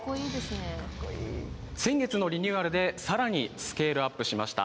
先月のリニューアルで、更にスケールアップしました。